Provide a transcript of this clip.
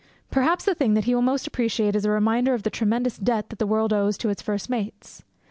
Perhaps the thing that he will most appreciate is a reminder of the tremendous debt that the world owes to its first mates.